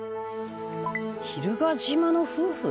「“蛭ヶ島の夫婦”？」